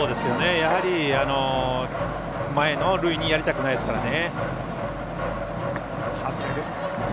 やはり、前の塁にやりたくないですからね。